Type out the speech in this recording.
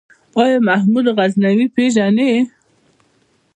آيا محمود غزنوي پېژنې ؟